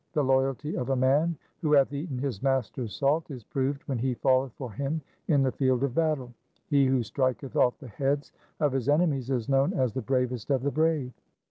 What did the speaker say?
1 The loyalty of a man who hath eaten his master's salt is proved when he falleth for him in the field of battle. He who striketh off the heads of his enemies is known as the bravest of the brave.